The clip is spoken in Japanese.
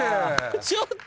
ちょっと。